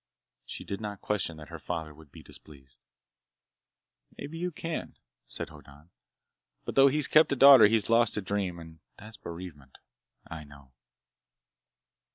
She did not question that her father would be displeased. "Maybe you can," said Hoddan, "but though he's kept a daughter he's lost a dream. And that's bereavement! I know!"